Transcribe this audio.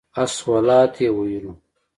الصلواة یې ویلو.